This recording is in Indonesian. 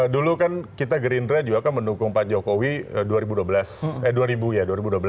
dulu kan kita green red juga kan mendukung pak jokowi dua ribu dua belas eh dua ribu ya dua ribu dua belas